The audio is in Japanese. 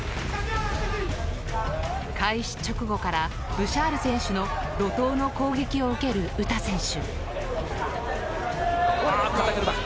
開始直後からブシャール選手の怒とうの攻撃を受ける詩選手。